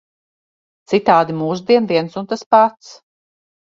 Citādi mūždien viens un tas pats.